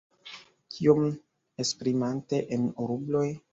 Kiom, esprimante en rubloj?